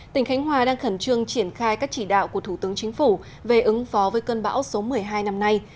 tỉnh khánh hòa đang khẩn trương triển khai các chỉ đạo của thủ tướng chính phủ về ứng phó với cơn bão số một mươi hai năm nay